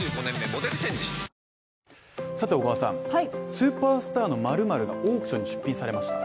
スーパースターの○○がオークションに出品されました。